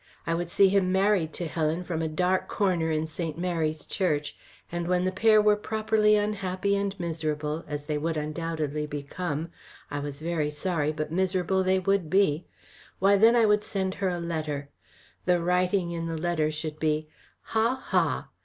I would see him married to Helen from a dark corner in St. Mary's Church, and when the pair were properly unhappy and miserable, as they would undoubtedly become I was very sorry, but miserable they would be why then I would send her a letter. The writing in the letter should be "Ha! ha!"